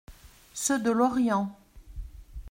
Ceux de Lorient.